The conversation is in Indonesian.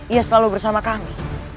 ia selalu bersama kami